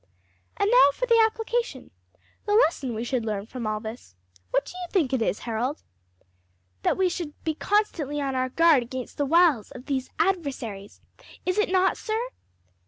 And now for the application, the lesson we should learn from all this: what do you think it is, Harold?" "That we should be constantly on our guard against the wiles of these adversaries, is it not, sir?"